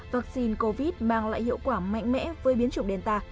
vaccine covid mang lại hiệu quả mạnh mẽ với biến chủng delta